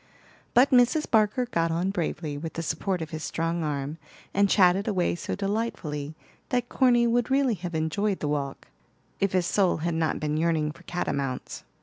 But Mrs. Barker got on bravely, with the support of his strong arm, and chatted away so delightfully that Corny would really have enjoyed the walk, if his soul had not been yearning for catamounts.